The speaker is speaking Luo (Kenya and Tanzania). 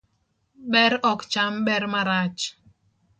Ber ok cham ber marach